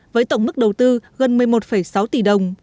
với tổng mức đầu tư gần một mươi một sáu tỷ đồng